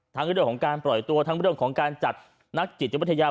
ทั้งเรื่องของการปล่อยตัวทั้งเรื่องของการจัดนักจิตวิทยา